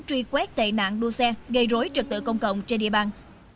truy quét tệ nạn đua xe gây rối trật tự công cộng trên địa bàn